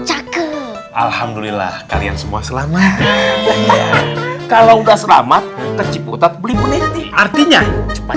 cakek alhamdulillah kalian semua selamat kalau udah selamat ke ciputat beli puneti artinya cepat